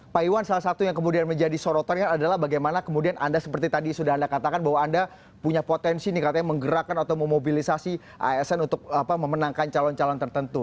pak iwan salah satu yang kemudian menjadi sorotan adalah bagaimana kemudian anda seperti tadi sudah anda katakan bahwa anda punya potensi nih katanya menggerakkan atau memobilisasi asn untuk memenangkan calon calon tertentu